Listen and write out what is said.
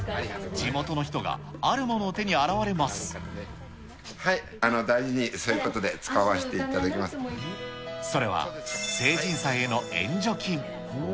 地元の人があるものを手に現大事にすることで、使わせてそれは成人祭への援助金。